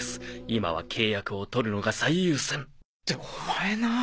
今は契約を取るのが最優先。ってオマエなあ。